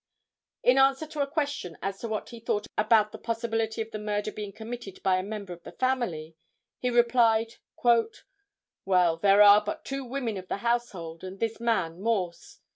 In answer to a question as to what he thought about the possibility of the murder being committed by a member of the family, he replied: "Well, there are but two women of the household and this man Morse.